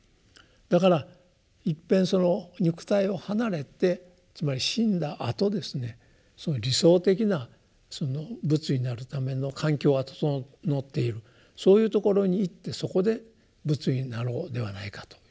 だからいっぺんその肉体を離れてつまり死んだあとですねその理想的な仏になるための環境が整っているそういうところに行ってそこで仏になろうではないかというふうになってきてですね。